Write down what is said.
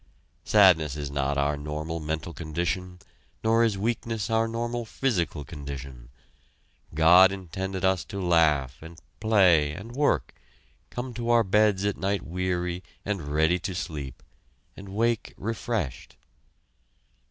Sadness is not our normal mental condition, nor is weakness our normal physical condition. God intended us to laugh and play and work, come to our beds at night weary and ready to sleep and wake refreshed.